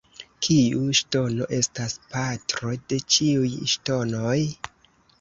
Kiu ŝtono estas patro de ĉiuj ŝtonoj?